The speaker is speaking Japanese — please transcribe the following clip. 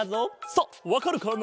さあわかるかな？